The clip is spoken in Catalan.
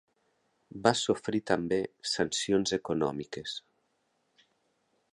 Va sofrir també sancions econòmiques.